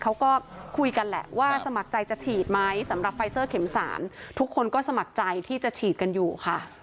เขาก็คุยกันแหละว่าสมัครใจจะฉีดไหมสำหรับไฟเซอร์เข็ม๓ทุกคนก็สมัครใจที่จะฉีดกันอยู่ค่ะ